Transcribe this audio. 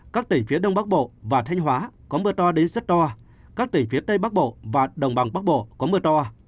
các tỉnh phía đông bắc bộ và thanh hóa có mưa to đến rất to các tỉnh phía tây bắc bộ và đồng bằng bắc bộ có mưa to